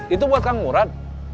itu buat kang murad